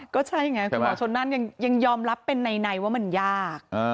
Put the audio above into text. ก็ใช่ไงคุณหมอชนนั่นยังยอมรับเป็นในว่ามันยาก